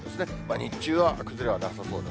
日中は崩れはなさそうです。